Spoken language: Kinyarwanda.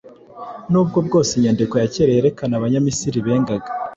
Nubwo bwose inyandiko ya kera yerekana abanyamisiri bengaga